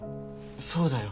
そうだよ。